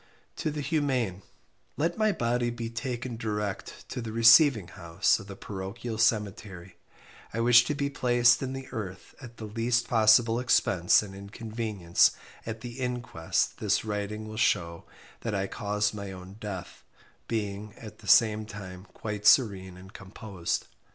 "to the humane, "let my body be taken direct to the receiving house of the parochial cemetery I wish to be placed in the earth at the least possible expense and inconvenience at the inquest this writing will shew that I caused my own death, being, at the same time quite serene and composed.